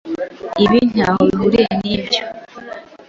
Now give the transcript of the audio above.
Ibi ntaho bihuriye nibyo.